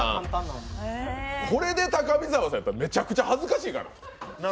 これで高見沢さんやったら、めちゃくちゃ恥ずかしいからな？